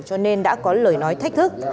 cho nên đã có lời nói thách thức